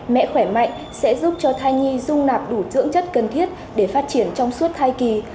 mẹ khỏe mạnh sẽ giúp cho thai nhi dung nạp đủ dưỡng chất cần thiết để phát triển trong suốt hai kỳ